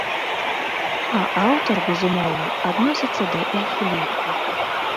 А аўтар, безумоўна, адносіцца да іх ліку.